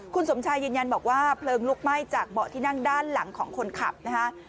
คุณสมชายยืนยันบอกว่าเพลิงลุกไหม้จากเบาะที่นั่งด้านหลังของคนขับนะฮะ